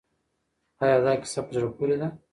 آیا دا کیسه په زړه پورې ده؟